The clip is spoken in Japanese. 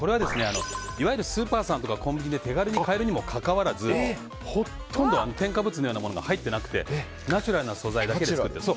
いわゆるスーパーさんとかコンビニで手軽に買えるにもかかわらずほとんど、添加物のようなものが入っていなくてナチュラルな素材で作っていて。